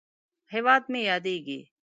هیواد مې ياديږي